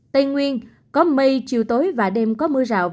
tây nguyên có mây chiều tối và đêm có mưa rào